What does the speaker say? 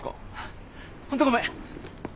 ホントごめん。